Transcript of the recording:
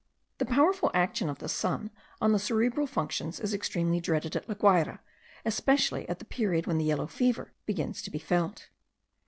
The powerful action of the sun on the cerebral functions is extremely dreaded at La Guayra, especially at the period when the yellow fever begins to be felt.